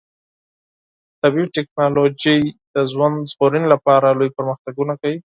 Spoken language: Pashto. طبي ټکنالوژي د ژوند ژغورنې لپاره لوی پرمختګونه کوي.